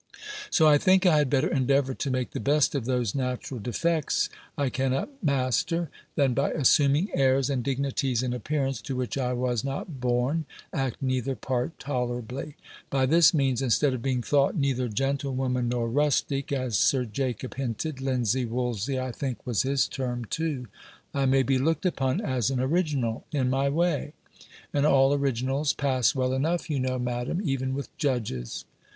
So I think I had better endeavour to make the best of those natural defects I cannot master, than, by assuming airs and dignities in appearance, to which I was not born, act neither part tolerably. By this means, instead of being thought neither gentlewoman nor rustic, as Sir Jacob hinted (linsey wolsey, I think was his term too), I may be looked upon as an original in my way; and all originals pass well enough, you know, Madam, even with judges.